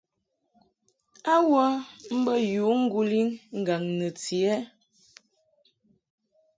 A wə mbə yǔ ŋguli ŋgaŋ nɨti ɛ ?